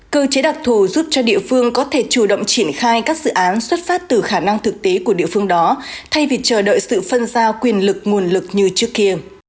cơ chế đặc thù giúp cho địa phương có thể chủ động triển khai các dự án xuất phát từ khả năng thực tế của địa phương đó thay vì chờ đợi sự phân giao quyền lực nguồn lực như trước kia